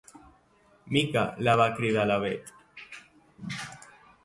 Mica —la va cridar la Bet—.